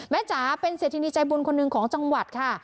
จ๋าเป็นเศรษฐินีใจบุญคนหนึ่งของจังหวัดค่ะ